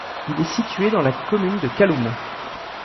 Il est situé dans la commune de kaloum.